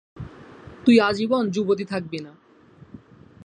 তুই আজীবন যুবতী থাকবি না!